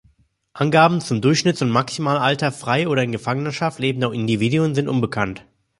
Angaben zum Durchschnitts- und Maximalalter frei oder in Gefangenschaft lebender Individuen sind unbekannt.